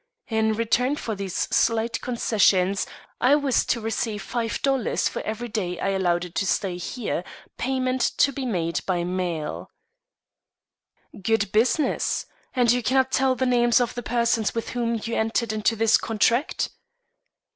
In return for these slight concessions, I was to receive five dollars for every day I allowed it to stay here, payment to be made by mail." "Good business! And you cannot tell the names of the persons with whom you entered into this contract?"